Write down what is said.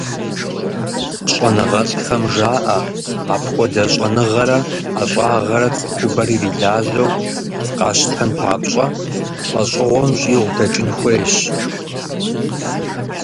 Щӏэныгъэлӏхэм жаӏэ: апхуэдэ щӏэныгъэрэ ӏэщӏагъэрэ цӏыхубэр ирилажьэу къащтэн папщӏэ, лӏэщӏыгъуэм щӏигъу дэкӏын хуейщ.